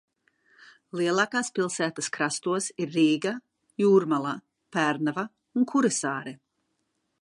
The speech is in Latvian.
Lielākās pilsētas krastos ir Rīga, Jūrmala, Pērnava un Kuresāre.